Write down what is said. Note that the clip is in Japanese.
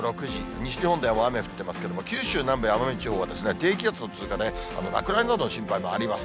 西日本でも雨降ってますけれども、九州南部や奄美地方は低気圧の通過で、落雷などの心配もあります。